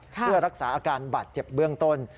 เพื่อรักษาอาการบาดเจ็บเบื้องต้น